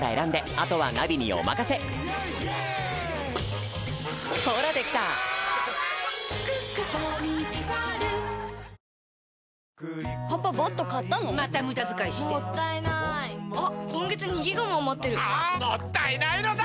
あ‼もったいないのだ‼